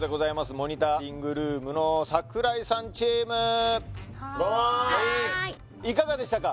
モニタリングルームの櫻井さんチームはーいいかがでしたか？